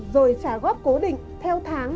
rồi trả góp cố định theo tháng